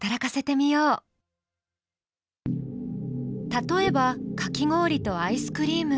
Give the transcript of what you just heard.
例えばかき氷とアイスクリーム。